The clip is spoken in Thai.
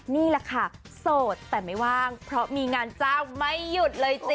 นี่แหละค่ะโสดแต่ไม่ว่างเพราะมีงานจ้างไม่หยุดเลยจ้